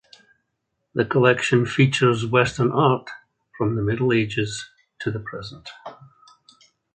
The collection features Western art from the Middle Ages to the present.